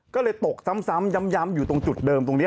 ก็เลยตกซ้ำยำอยู่ตรงจุดเดิม